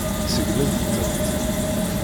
Seggment-tent.